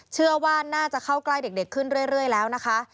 เชื่อว่าน่าจะเข้าใกล้เด็กขึ้นเรื่อยแล้วนะคะ